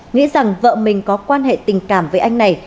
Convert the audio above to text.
nghĩ rằng vợ mình có quan hệ tình cảm với anh này